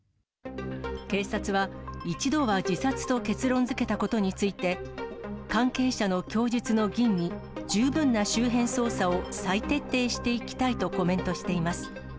警察は、一度は自殺と結論付けたことについて、関係者の供述の吟味、十分な周辺捜査を再徹底していきたいとコメントしています。